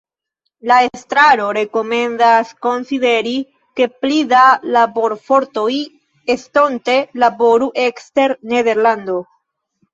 La estraro rekomendas konsideri, ke pli da laborfortoj estonte laboru ekster Nederlando.